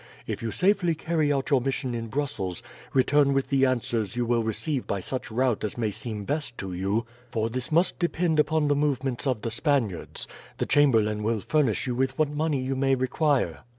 If you safely carry out your mission in Brussels return with the answers you will receive by such route as may seem best to you; for this must depend upon the movements of the Spaniards. The chamberlain will furnish you with what money you may require."